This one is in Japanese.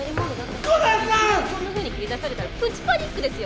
「いきなりそんなふうに切り出されたらプチパニックですよ